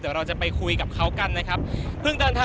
ให้เห็นว่ารอบลูกกันครั้งหนึ่งนะครับ